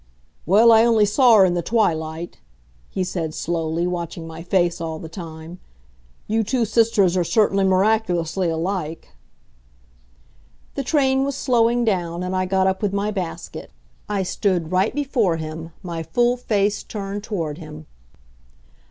"Well, I only saw her in the twilight," he said slowly, watching my face all the time. "You two sisters are certainly miraculously alike." The train was slowing down, and I got up with my basket. I stood right before him, my full face turned toward him.